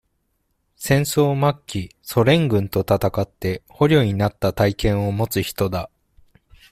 戦争末期、ソ連軍と戦って、捕虜になった体験を持つ人だ。